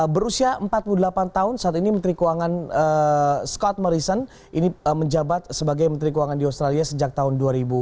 berusia empat puluh delapan tahun saat ini menteri keuangan scott morrison ini menjabat sebagai menteri keuangan di australia sejak tahun dua ribu